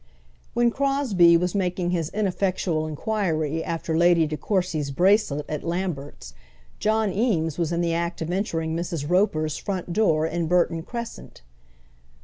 When Crosbie was making his ineffectual inquiry after Lady De Courcy's bracelet at Lambert's, John Eames was in the act of entering Mrs. Roper's front door in Burton Crescent.